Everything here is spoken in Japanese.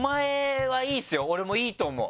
俺もいいと思う。